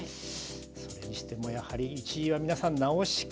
それにしてもやはり１位は皆さん「治し方」でしたが。